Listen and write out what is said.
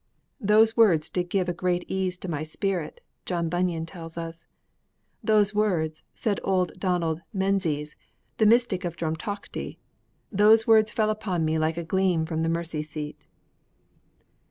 'Those words did give a great ease to my spirit!' John Bunyan tells us. 'Those words,' said old Donald Menzies, the mystic of Drumtochty, '_those words fell upon me like a gleam from the Mercy seat!